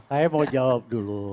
saya mau jawab dulu